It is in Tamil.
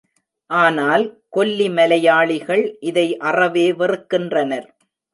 ஆனால் கொல்லி மலையாளிகள் இதை அறவே வெறுக்கின்றனர்.